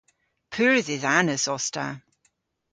Pur dhidhanus os ta.